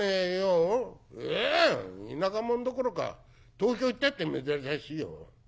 「ううん田舎者どころか東京行ったって珍しいよ。